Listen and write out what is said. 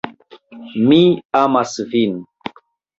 "Mi amas vin."